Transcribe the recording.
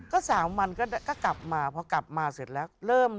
ก็๓วันก็กลับมาเพราะกลับมาเสร็จแล้ว